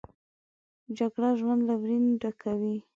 جګړه ژوند له ویرې ډکوي